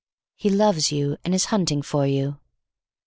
He loves you and is hunting for you.